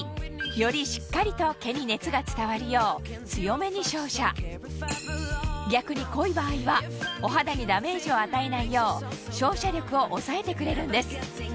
よりしっかりと毛に熱が伝わるよう強めに照射逆に濃い場合はお肌にダメージを与えないよう照射力を抑えてくれるんです